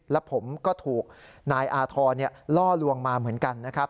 แล้วผมก็ถูกนายอาธรณ์ล่อลวงมาเหมือนกันนะครับ